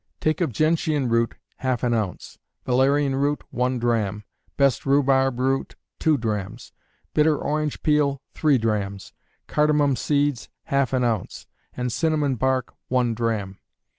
Take of gentian root, half an ounce; valerian root, one drachm; best rhubarb root, two drachms; bitter orange peel, three drachms; cardamom seeds, half an ounce; and cinnamon bark, one drachm.